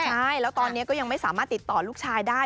ใช่แล้วตอนนี้ก็ยังไม่สามารถติดต่อลูกชายได้